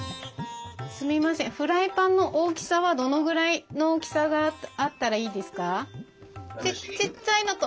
フライパンの大きさはどのぐらいの大きさがあったらいいですか？